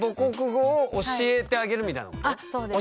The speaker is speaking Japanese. あっそうです。